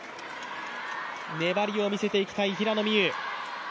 粘りを見せていきたい平野美宇。